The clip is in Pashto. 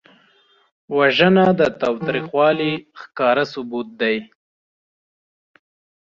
وژنه د تاوتریخوالي ښکاره ثبوت دی